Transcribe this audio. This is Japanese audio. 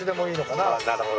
なるほど。